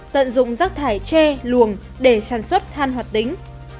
tận dụng rắc thải tre luồng để sản xuất than hoạt tính